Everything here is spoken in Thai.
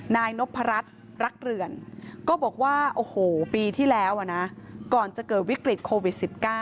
นายนพรัชรักเรือนก็บอกว่าโอ้โหปีที่แล้วนะก่อนจะเกิดวิกฤตโควิด๑๙